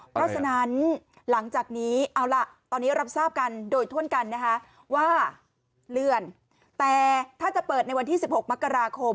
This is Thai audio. เพราะฉะนั้นหลังจากนี้เอาล่ะตอนนี้รับทราบกันโดยท่วนกันนะคะ